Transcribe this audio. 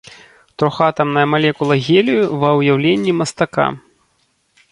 Трохатамная малекула гелію ва ўяўленні мастака.